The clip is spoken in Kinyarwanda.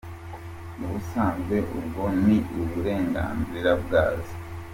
Mu busanzwe, ubwo ni uburenganzira bwazo.